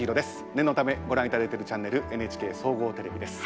念のためご覧頂いているチャンネルＮＨＫ総合テレビです。